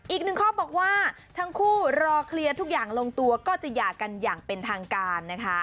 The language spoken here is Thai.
อีกหนึ่งข้อบอกว่าทั้งคู่รอเคลียร์ทุกอย่างลงตัวก็จะหย่ากันอย่างเป็นทางการนะคะ